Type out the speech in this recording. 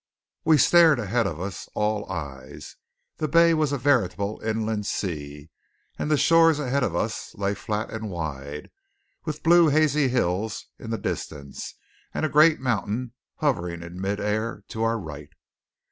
We stared ahead of us, all eyes. The bay was a veritable inland sea; and the shores ahead of us lay flat and wide, with blue hazy hills in the distance, and a great mountain hovering in midair to our right.